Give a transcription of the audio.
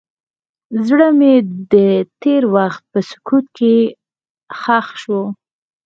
زړه مې د تېر وخت په سکوت کې ښخ شو.